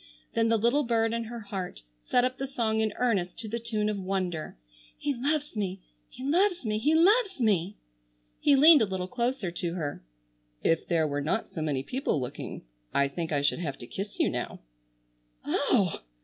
Then the little bird in her heart set up the song in earnest to the tune of Wonder: "He loves me, He loves me, He loves me!" He leaned a little closer to her. "If there were not so many people looking I think I should have to kiss you now." "Oh h h h!"